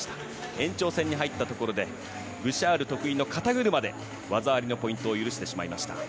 延長戦に入ったところでブシャール得意の肩車で技ありのポイントを許しました。